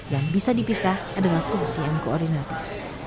yang bisa dipisah adalah fungsi yang koordinatif